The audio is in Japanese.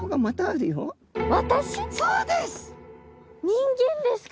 人間ですか！